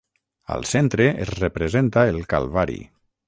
Al centre es representa el Calvari.